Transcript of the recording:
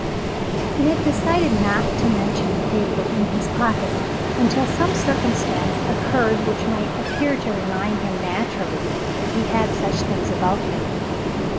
He had decided not to mention the papers in his pocket until some circumstance occurred which might appear to remind him naturally that he had such things about him.